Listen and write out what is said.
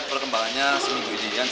berarti lawan madura dia gak bisa main